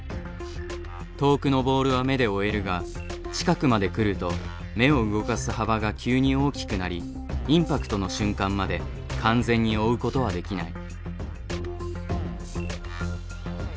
遠くのボールは目で追えるが近くまで来ると目を動かす幅が急に大きくなりインパクトの瞬間まで完全に追うことはできない。